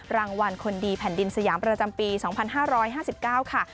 รางวัลคนดีแผ่นดินสยามประจำปี๒๕๕๙ค่ะ